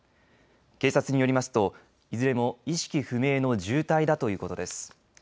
警察によりますといずれも意識不明の重体だということです。